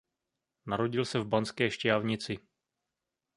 Narodil se v Banské Štiavnici.